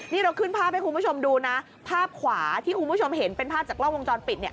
นี่เราขึ้นภาพให้คุณผู้ชมดูนะภาพขวาที่คุณผู้ชมเห็นเป็นภาพจากกล้องวงจรปิดเนี่ย